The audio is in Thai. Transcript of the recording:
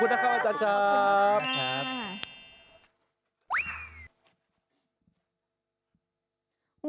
ขอบคุณนะครับอาจารย์ช้าาาาขอบคุณนะครับมาก